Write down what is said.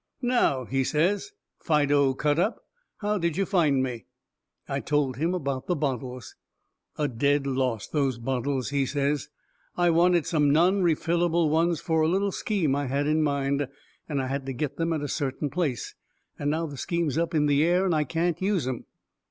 "Now," he says, "Fido Cut up, how did you find me?"* I told him about the bottles. "A dead loss, those bottles," he says. "I wanted some non refillable ones for a little scheme I had in mind, and I had to get them at a certain place and now the scheme's up in the air and I can't use 'em."